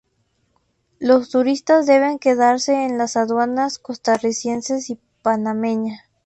Los turistas deben quedarse en las aduanas costarricense y panameña.